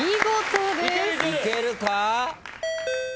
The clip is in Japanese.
いけるか？